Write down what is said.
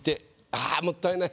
ああもったいない。